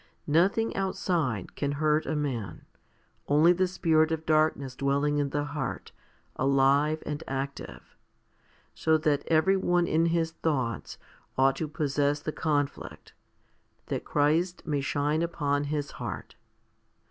3 Nothing outside can hurt a man, only the spirit of darkness dwelling in the heart, alive and active ; so that every one in his thoughts ought to possess the conflict, that Christ may shine upon his heart.